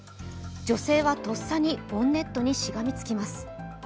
女性はとっさにボンネットにしがみつきます。